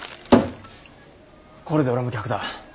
これで俺も客だ。